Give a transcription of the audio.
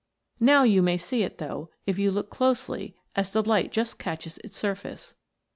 Now you may see it, though, if you look closely as the light just catches its sur face.